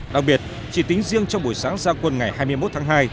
đặc biệt chỉ tính riêng trong buổi sáng gia quân ngày hai mươi một tháng hai